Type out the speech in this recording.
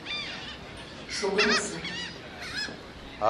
Шогалза!